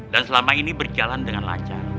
dan selama ini berjalan dengan lancar